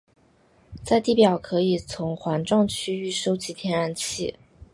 在地表可以从环状区域收集天然气。